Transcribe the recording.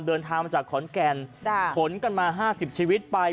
เดินทางมาจากขอนแก่นขนกันมา๕๐ชีวิตไป